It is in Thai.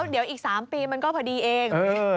เดี๋ยวอีก๓ปีมันก็พอดีเอง